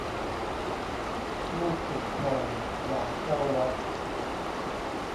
ลูกสมภารหลานเจ้าวัด